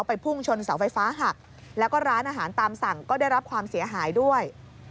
พุ่งชนเสาไฟฟ้าหักแล้วก็ร้านอาหารตามสั่งก็ได้รับความเสียหายด้วย